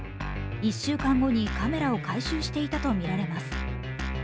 １週間後にカメラを回収していたとみられます。